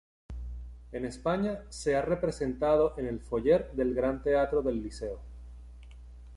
En España se ha representado en el Foyer del Gran Teatro del Liceo.